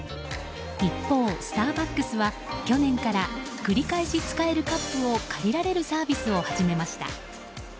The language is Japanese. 一方、スターバックスは去年から繰り返し使えるカップを借りられるサービスを始めました。